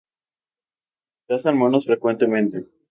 Cazan monos frecuentemente.